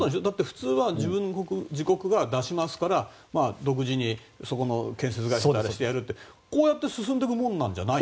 普通は自国が出しますから独自にそこの建設会社とやっていくってこうやって進んでいくものなんじゃないの？